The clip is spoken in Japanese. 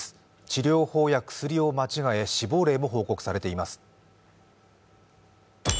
治療法や薬を間違え、死亡例も報告されています。